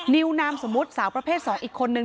นิวนามสมมุติสาวประเภท๒อีกคนนึง